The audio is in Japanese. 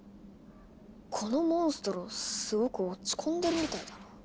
このモンストロすごく落ち込んでるみたいだな。